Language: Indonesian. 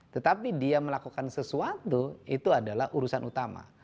tetapi dia melakukan sesuatu itu adalah urusan utama